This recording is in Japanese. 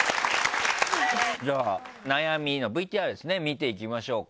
じゃあ悩みのＶＴＲですね見ていきましょうか。